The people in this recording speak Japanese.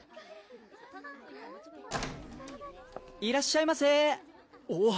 いらっしゃいませおぉ